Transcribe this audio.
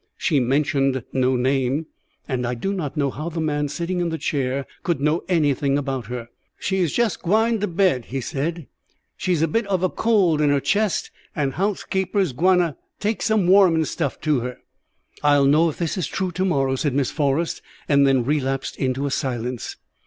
She mentioned no name, and I do not know how the man sitting in the chair could know anything about her. "She is jest gwine to bed," he said; "she's a bit ov a cold in 'er chest, and housekeeper is gwine to take some warmin' stuff to her." "I'll know if this is true to morrow," said Miss Forrest, and then relapsed into silence.